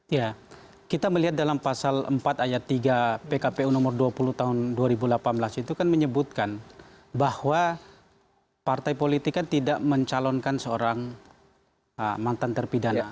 ya kita melihat dalam pasal empat ayat tiga pkpu nomor dua puluh tahun dua ribu delapan belas itu kan menyebutkan bahwa partai politik kan tidak mencalonkan seorang mantan terpidana